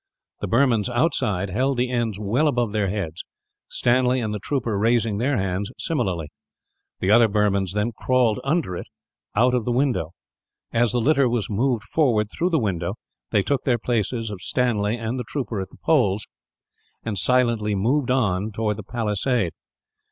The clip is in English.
The Burmans outside held the ends well above their heads, Stanley and the trooper raising their hands similarly. The other Burmans then crawled, under it, out of the window. As the litter was moved forward through the window, they took the places of Stanley and the trooper at the poles, and silently moved on towards the palisade.